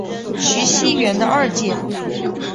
徐熙媛的二姐。